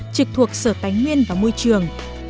trực thuộc sở tài nguyên và môi trường